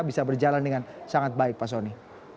bisa berjalan dengan sangat baik pak soni